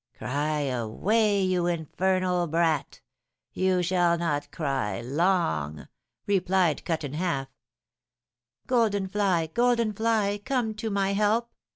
'Cry away, you infernal brat! You shall not cry long!' replied Cut in Half. 'Golden fly, golden fly, come to my help!'